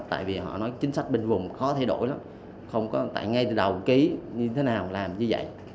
tại vì họ nói chính sách bên vùng khó thay đổi lắm không có tại ngay từ đầu ký như thế nào làm như vậy